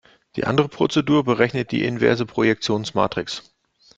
Die andere Prozedur berechnet die inverse Projektionsmatrix.